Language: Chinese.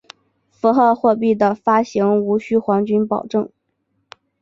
符号货币的发行无须黄金保证。